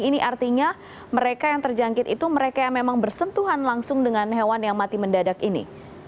ini artinya mereka yang terjangkit itu mereka yang memang bersentuhan langsung dengan hewan yang mati mendadak ini